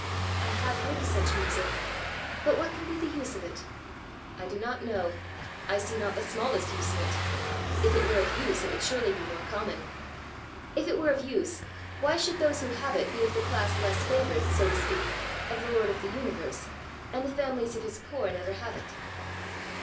"I have heard of such music. But what can be the use of it?" "I do not know. I see not the smallest use in it. If it were of use it would surely be more common! If it were of use, why should those who have it be of the class less favoured, so to speak, of the Lord of the universe, and the families of his poor never have it?"